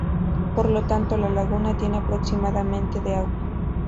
Por lo tanto, la laguna tiene aproximadamente de agua.